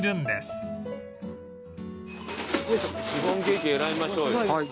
シフォンケーキ選びましょうよ。